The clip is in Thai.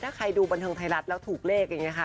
ถ้าใครดูบรรเทิงไทยรัฐแล้วถูกเลขยังไงค่ะ